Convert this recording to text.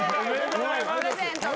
・プレゼントだ。